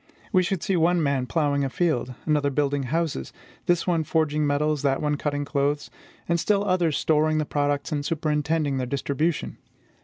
We should see one man plowing a field, another building houses; this one forging metals, that one cutting clothes; and still others storing the products, and superintending their distribution.